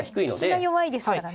利きが弱いですからね。